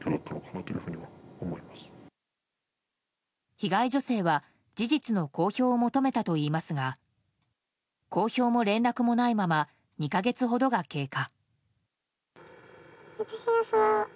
被害女性は事実の公表を求めたといいますが公表も連絡もないまま２か月ほどが経過。